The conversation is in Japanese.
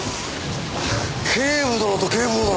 警部殿と警部補殿！？